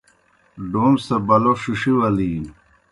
ڈوم سہ بلو ݜِݜِی ولِینوْ۔